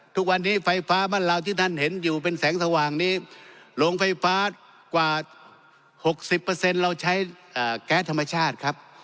ทุกวันนี้ไฟฟ้าบ้านเราที่ท่านเห็นอยู่เป็นแสงสว่างนี้โรงไฟฟ้ากว่า๖๐เราใช้แก๊สธรรมชาติครับ